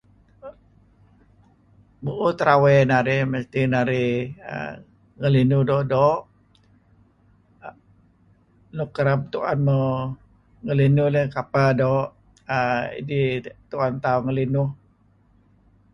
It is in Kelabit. Mu'uh terawey narih, mesti narih ngelinuh doo'-doo' nuk kereb tu'en muh ngelinuh dih kapeh doo' err idih tu'en tauh ngelinuh.